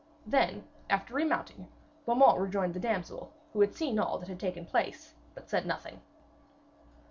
Then, after remounting, Beaumains rejoined the damsel, who had seen all that had taken place, but said nothing.